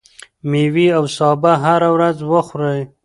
ميوې او سابه هره ورځ وخورئ.